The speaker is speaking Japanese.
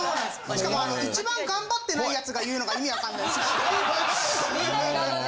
しかも一番頑張ってない奴が言うのが意味わかんないです。